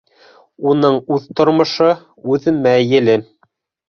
Уның үҙ тормошо, үҙ мәйеле...